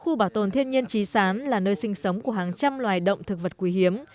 khu bảo tồn thiên nhiên trí sán là nơi sinh sống của hàng trăm loài động thực vật quý hiếm